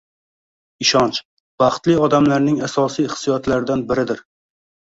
Ishonch - baxtli odamlarning asosiy hissiyotlaridan biridir